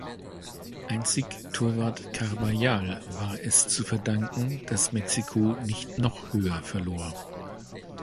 Einzig Torwart Carbajal war es zu verdanken, dass Mexiko nicht noch höher verlor.